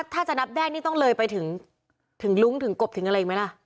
ถ้าจะนับได้นี่ต้องเลยไปถึงลุ้งถึงกบถึงอะไรอีกไหมล่ะ